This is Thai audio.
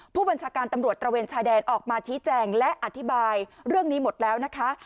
ผู้บัญชาการตำรวจตระเวนชายแดนออกมาชี้แจงและอธิบายเรื่องนี้หมดแล้วนะคะ